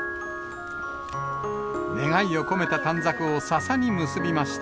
願いを込めた短冊をささに結びました。